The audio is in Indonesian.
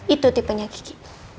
itu tipenya kiki